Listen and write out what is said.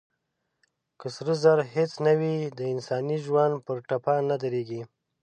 که سره زر هېڅ نه وي، انساني ژوند پر ټپه نه درېږي.